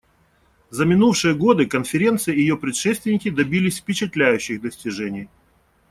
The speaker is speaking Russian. За минувшие годы Конференция и ее предшественники добились впечатляющих достижений.